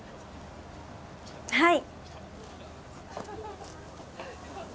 はい。